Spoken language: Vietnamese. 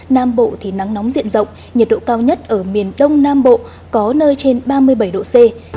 nam bộ thì nắng nóng diện rộng nhiệt độ cao nhất ở miền đông nam bộ có nơi trên ba mươi bảy độ c